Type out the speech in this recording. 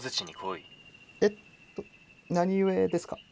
えっと何故ですか？